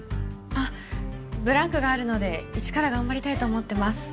あっブランクがあるので一から頑張りたいと思ってます。